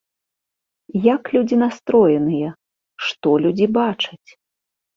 Як людзі настроеныя, што людзі бачаць?